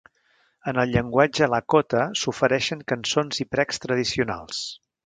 En el llenguatge Lakota s'ofereixen cançons i precs tradicionals.